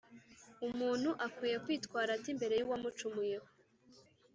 umuntu akwiye kwitwara ate imbere y’uwamucumuyeho